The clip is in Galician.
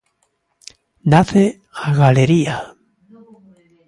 Nace "A galería".